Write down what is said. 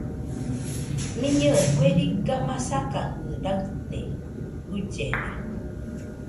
Mɨnɨe kue riga masakajɨ raɨte, guillena